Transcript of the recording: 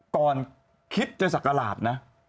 ก่อนคิดจะสักกระหลาดนะ